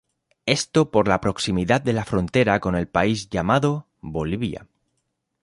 Esto por la proximidad de la frontera con el país llamado Bolivia.